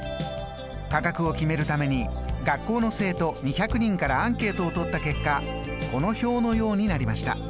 価格を決めるために学校の生徒２００人からアンケートを取った結果この表のようになりました。